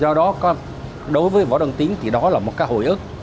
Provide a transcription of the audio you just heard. do đó đối với võ đăng tín thì đó là một cái hồi ức